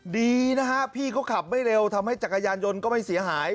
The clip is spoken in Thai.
ดีนะฮะพี่เขาขับไม่เร็วทำให้จักรยานยนต์ก็ไม่เสียหาย